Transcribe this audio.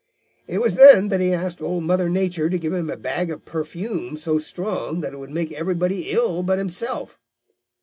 It was then that he asked Old Mother Nature to give him a bag of perfume so strong that it would make everybody ill but himself.